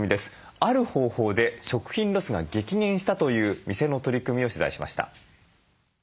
ある方法で食品ロスが激減したという店の取り組みを取材しました。